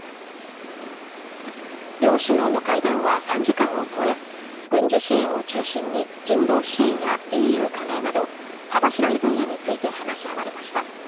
両首脳の会談は３時間を超え、軍事支援を中心に人道支援やＥＵ加盟など、幅広い分野について話し合われました。